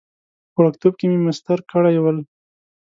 په وړکتوب کې مې مسطر کړي ول.